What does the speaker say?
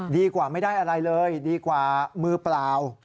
ดีกว่าไม่ได้อะไรเลยดีกว่ามือเปล่า